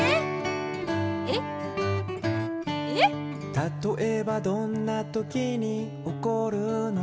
「たとえばどんな時におこるの？」